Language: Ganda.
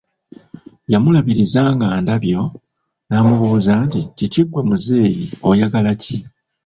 Yamulabiriza nga ndabyo n’amubuuza nti, Kiki ggwe muzeeye, oyagala ki?